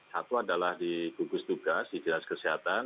satu adalah di gugus tugas di dinas kesehatan